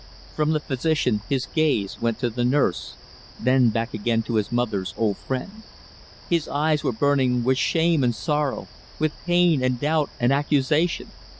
From the physician his gaze went to the nurse, then back again to his mother's old friend. His eyes were burning with shame and sorrow with pain and doubt and accusation.